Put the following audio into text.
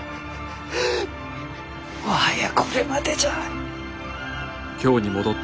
もはやこれまでじゃ。